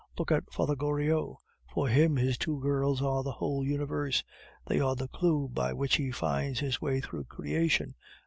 Look at Father Goriot. For him, his two girls are the whole universe; they are the clue by which he finds his way through creation.